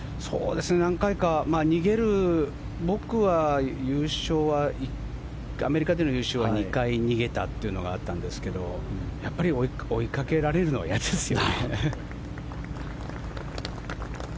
何回か、逃げる僕は優勝はアメリカでの優勝は２回逃げたというのがあったんですがやっぱり追いかけられるのは嫌ですよ。